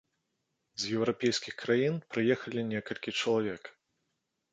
З еўрапейскіх краін прыехалі некалькі чалавек.